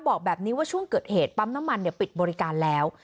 บอกแบบนี้ว่าช่วงเกิดเหตุปั๊มน้ำมันปิดบริการแล้ว